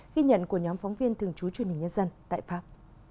ghi nhận của nhóm phóng viên thường trú truyền hình nhân dân tại pháp